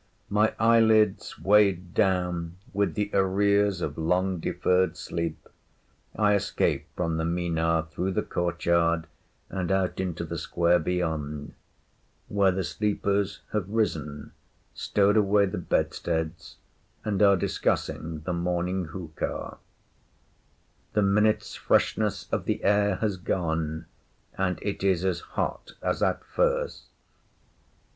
My eyelids weighed down with the arrears of long deferred sleep, I escape from the Minar through the courtyard and out into the square beyond, where the sleepers have risen, stowed away the bedsteads, and are discussing the morning hookah. The minute’s freshness of the air has gone, and it is as hot as at first.